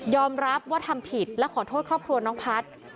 รับว่าทำผิดและขอโทษครอบครัวน้องพัฒน์